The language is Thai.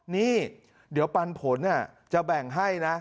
นี่เดี๋ยวปันผลจะแบ่งให้นะ